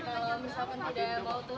kalau misalkan tidak mau turun bagaimana pak